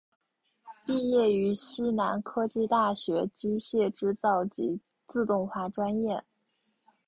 毕业于西南科技大学机械制造及自动化专业。